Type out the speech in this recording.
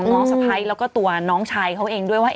สะพ้ายแล้วก็ตัวน้องชายเขาเองด้วยว่า